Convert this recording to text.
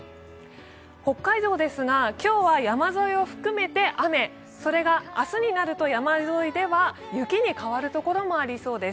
北海道ですが今日は山沿いを含めて雨、それが明日になると山沿いでは雪に変わるところもありそうです。